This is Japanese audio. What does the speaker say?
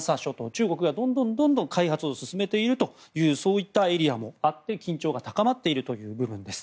中国がどんどん開発を進めているエリアもあって緊張が高まっている部分です。